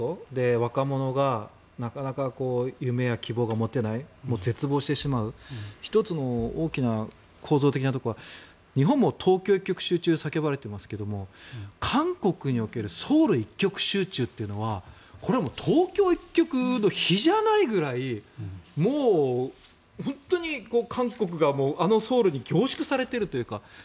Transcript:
若者がなかなか夢や希望が持てない絶望してしまう１つの大きな構造的なところは日本も東京一極集中が叫ばれていますけれど韓国におけるソウル一極集中というのはこれは東京一極の比じゃないぐらいもう本当に韓国があのソウルに凝縮されているというか。